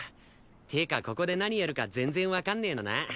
っていうかここで何やるか全然わかんねえのな。